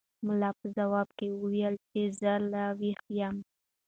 ملا په ځواب کې وویل چې زه لا ویښ یم.